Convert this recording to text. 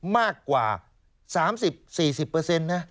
มากกว่า๓๐๔๐นะ